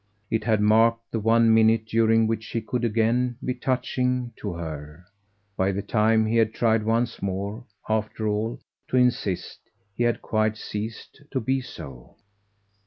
It had marked the one minute during which he could again be touching to her. By the time he had tried once more, after all, to insist, he had quite ceased to be so.